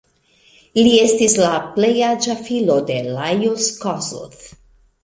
Li estis la plej aĝa filo de Lajos Kossuth.